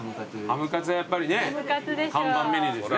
ハムカツはやっぱりね看板メニューですね。